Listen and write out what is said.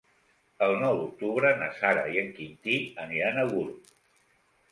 El nou d'octubre na Sara i en Quintí aniran a Gurb.